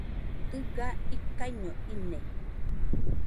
Dɨga ikaiño ine